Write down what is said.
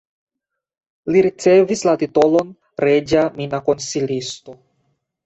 Li ricevis la titolon reĝa mina konsilisto.